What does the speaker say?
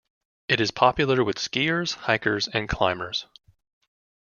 It is popular with skiers, hikers and climbers.